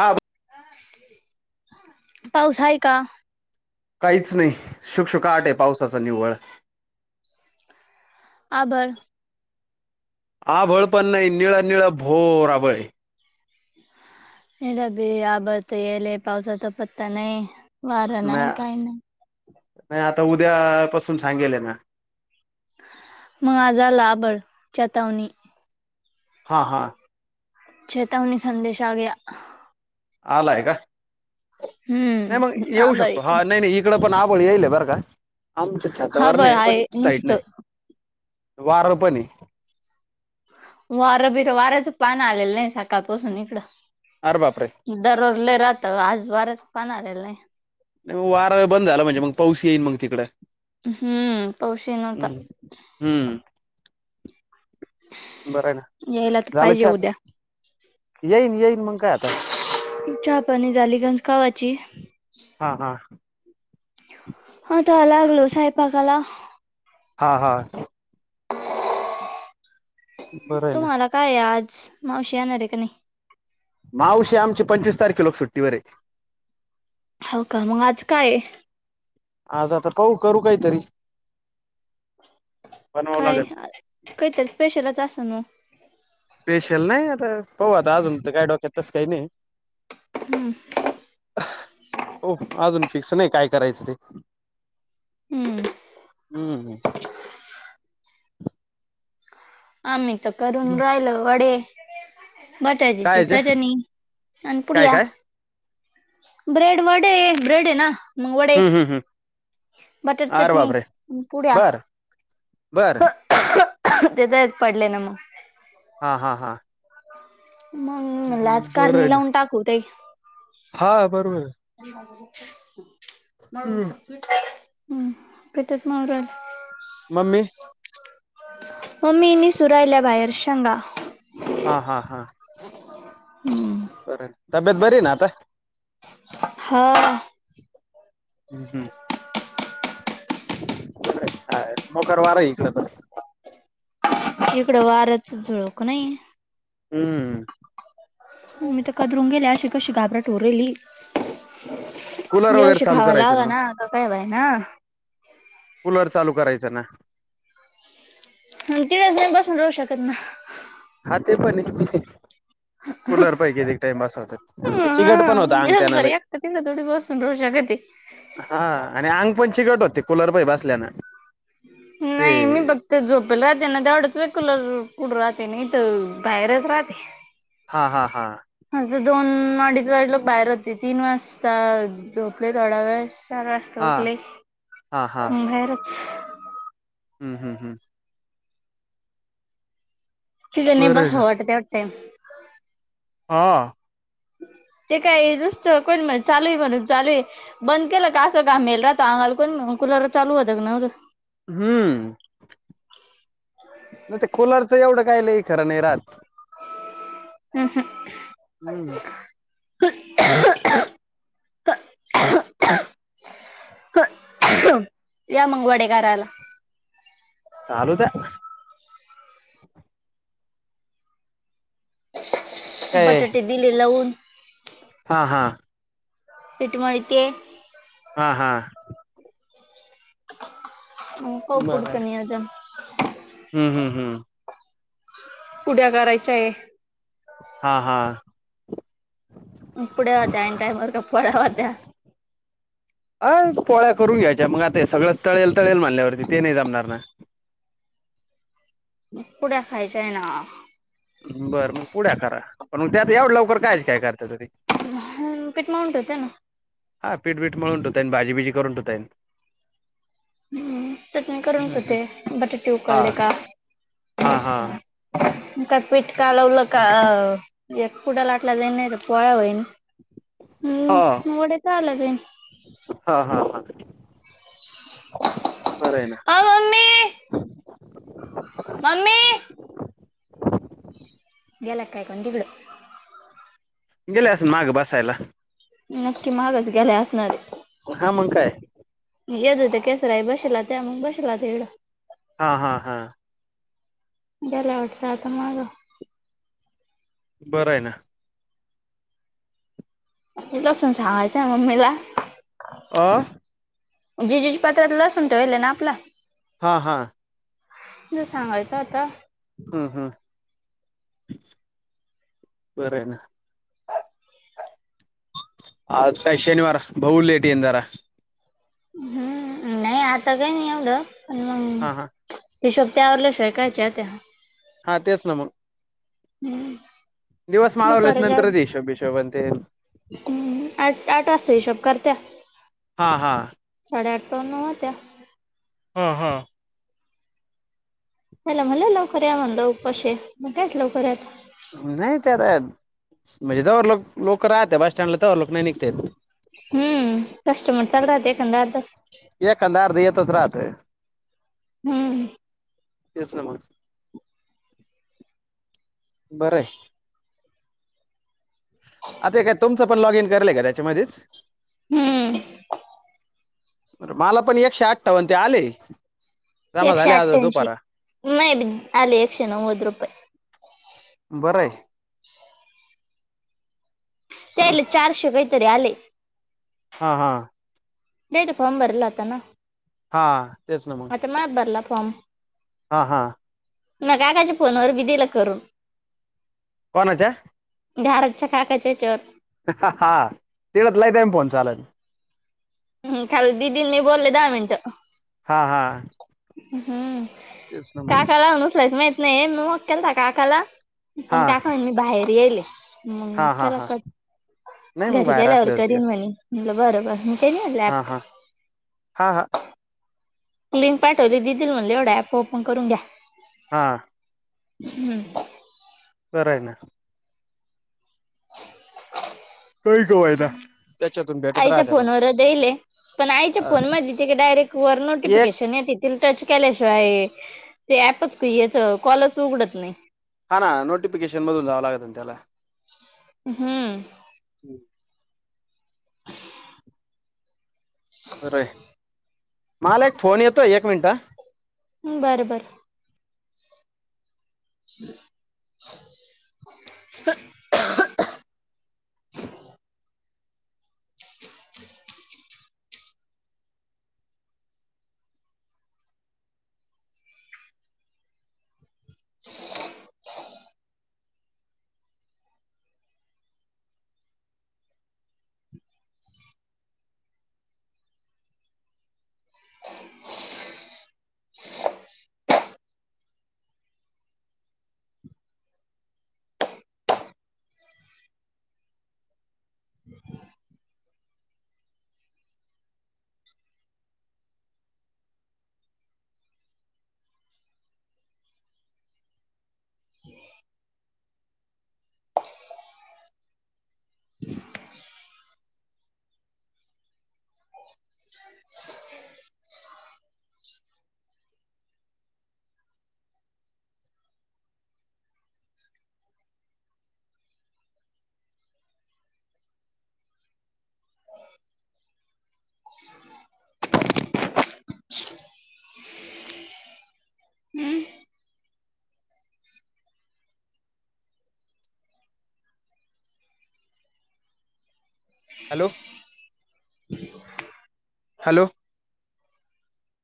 हा पाऊस आहे का काहीच नाही शुकशुकाट आहे पावसाचा निव्वळ आभळ आभळ पण नाही निळं निळ भोराबय हेला बी आबत येले पावसाचा पत्ता नाही वारं नाही काही नाही नाही आता उद्या पासून सांगेल ना मग आजला आबळ चेतावनी हा हा चेतावनी संदेश आ गया आलाय का नाही मग हम्म येऊ आबळ शकतो हा नाही नाही इकड पण आप ळी येईल बरं का आमच्या छातवर आबळ नाही पण आहे साईडने नुसतं आहे वार पण हे वार बीर वाऱ्याच पान आलेलं नाही सकाळपासून अरे बापरे इकडं दररोज लय राहत आज बारच पण आलेलं नाही नाही मग वार बंद झाला म्हणजे मग पाऊस येईल मग तिकडं हम्म पाऊस ही नव्हता हम् हम्म बरं आहे ना यायला तर झालं पाहिजे छ उद्या येईन येईन मग काय आता चहा पाणी झाली घंज कावाची हा हा हाता लागलो स्वयंपाकाला हा हा बरं आहे ना तुम्हाला काय आज मावशी येणार आहे का नाही मावशी आमचे पंचवीस तारखे लोक सुट्टीवररे हो का मग आज काय आज आता कऊू करू काहीतरी बनवावं काय लागल. काहीतरी स्पेशलच अस ना स्पेशल नाही आता पहू आत अजून काय डोक्यात तस काही नाही हम्म हो अजून फिक्स नाही काय करायचं ते हम्म हम्म आ्ही तर करून राहिल वडे बटाजीची काय जे चटणी आणि काय पुडया काय ब्रेड वड आहे ब्रेड आहे ना मग वडे हम्म हम्म हम्म बटर अरे चटणी बापरे पुड्या बर बर तेेतच पडले ना मग. हा हा हा मग लाज बरं आहे कारणी ना लावून टाकूत ताई हा बरोबर आहे. मग सूटली काय. हम्म पटच मवरल. मम्मी मम्मी नीसुरायल्या बाहेर शेंगा हा हा हा हम्म बरं तब्येत बरी आहे ना आता हा हम्म हा मोकरवारा आहे ईकडे तर इकडं वार्याच झूडूक नाही. हम्म मी तर कदरून गेले अशी कशी घाबरा चोरेली कूलर या वगैरे वर्षी चालू खावा करायचं लागे ना काय होय ना. कुलर चालूं करायचं ना तीथच ना बसून राहू शकतं ना ते पणं कुलर पैकीं एक टाईम बसाते चिकट पणं होता आंग त्याला दिवसभर लय एकटं तिथं थोडी बसून राहू शकते हा आणि आंग पणं ते चिगट लय होते कुलर मध्ये बसल्यान नाहीं मी फत झोपेल राहते ना तेवढंच वेळ कुलर पुढं राहते. ते नाही तर बाहेरचं राहतें हा हा हा असं दोन अडीच वाजेपर्यंत बाहेर होती तीन वाजता झोपली थोडा वेळ चार वासता हा उठले मग बाहेरचं हू हू हू तिथं नाहीं बरं आहे ना बसावाटते एक टाईम हा हम ते काय नुस्तं कोण म्हणी चालूं आहे म्हणून चालूं आहे बंद केलं की असा घाम येतो आंगाले कोणी म्हणली कुलर चालू होताना तेवढंच हम्म नाही ते कुलरचं एवढं काय लंय खरं नाही राहातं हम् हम हम्म [inaudible] या मंग वडे करायला चालूदया आता काय बटाटे दिले लावून. हा हा पीठ मळीती आहे. हा हा मंग पाहू बरं पूडचं नियोजन हम्म हम्म हम्म पुढ्या करायच्या आहे हा हा इपडया होत्या आईनं टाईम वर पंड्या होत्या अ पोळ्या करून घ्यायच्या मग आता सगळं तळेल तळेल म्हण्याल्यावरती ते नाही जमणार ना. पुऱ्या खायच्या ना. बरं मग पुऱ्या खरा पण मग त्यात एवढं लवकर कायच काय करत तरी. पीठ मळून ठेवते ना. हा पीठ बीठ मळून ठवतय भाजीबीजी करून ठेवताय. हम्म चटणी करून ठव ते बटाटे हा उकळले का हा हा इकदा पिट कालवल का अ... एक पुऱ्या लाटल्या जायल नाही तर पोळ्या होईल. हा जाईन. हा हा हा [inaudible] अ मम्मी [inaudible] मम्मी गेला काय अनं तिकडं. गेले अस माग बसायला. नक्की मागचं गेला असणाराय. हा मग काय. येत हो केसरा आहे बसला त्या मग बसला तिकडं. हा हा हा गेलाय वाटतता माग. बरं आहे ना. लसून हाय [unintelligible] [unintelligible] आ जेजुज पात्रात लसून तवल ना आपला हा हा ज सांगायचं आता हम् हम् बरं ना आज काय शनिवार बघु लेट येन जरा. हम्म नाही आता काही नाही एवढं. पण मग हा हा हिशोब त्या आवरल्याश ऐकायच्या त्या. हा तेच ना मग हम्म दिवस माळवल्याच नंतर इशोभिशो ते. हम्म आठ आठ असतो हिशोब करत्या. हा हा प्रनवाच्या हा हा चला म्हलं लवकर या म्हणलं उपाशीय मग कायच लवकर यात. नाही त्या आता म्हणजे जवरं लोक लोक राहत बस स्टँडला तरवर लोक नाही निघतात येत. हम्म कस्टमर चालू राहते एखादा अर्धा एकंद अर्ध येत तथच राहतयं हम्म तेच ना मग... बरं आहे आता काय तुमचं पण लॉग इन करलय का त्याच्यामध्येच हम्म मला पण एकशे आठठावन ते आले. जमा एकशे झाले आज अठ्ठ्यांशी दुपारा नाही आले एकशे नव्वद रुपये. बरं ये. त्याले चारशे काहीतरी आले. हा हा. [unintelligible] फॉम बरलाता ना. हा तेच ना मग. आता [unintelligible] हा हा. ना काकाच्या फोनवर बी दिलं करून. कोणच्या? [unintelligible] काकाच्या हेच्यावर हा तिडत लाईट आहे [inaudible] हम्म खाल ददी मी बोलले दहा मिनटं. हा हा हम्म तेच ना मग काकाला उचलायच माहित नाही. म मग केलता काकाला. हा हा हा हा नाही [unintelligible] मग घरी बाहेर गेल्यावर असल्यावरती करीन कस म्हणे. म्हनल बरबर मी काही नाही हा हा हा हा. लिंक पाठवली दिदी म्हणले एवढा ऍप ओपन करून घ्या. हा. हम्. बर आय. [unintelligible] भेटत आईच्या राहत फोनवरचले पण आईच्या फोन मग म ते डायरेक्ट वर एक नोटिफिकेशन ये तील टच केल्याशिवाय ते ऍपच याच कॉलस उघडत नाही. हा ना नोटिफिकेशन मधून जावं लागत आ त्याला. हम्म. [inaudible] [unintelligible] माला एक फोन येतोय. एक मिनिट. बरं बर. [inaudible] [inaudible] [inaudible] [inaudible] [inaudible] [inaudible] हॅलो! [inaudible] हॅलो!